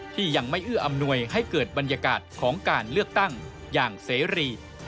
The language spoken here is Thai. ที่ยังไม่เอื้ออำนวยให้เกิดบรรยากาศของการเลือกตั้งอย่างเสรี